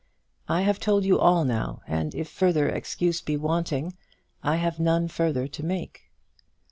"I have told you all now, and if further excuse be wanting, I have none further to make."